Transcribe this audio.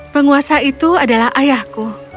penguasa itu adalah ayahku